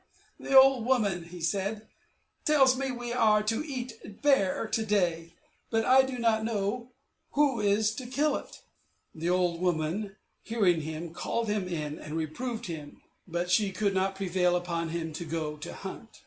"The old woman," said he, "tells me we are to eat a bear to day; but I do not know who is to kill it." The old woman, hearing him, called him in, and reproved him; but she could not prevail upon him to go to hunt.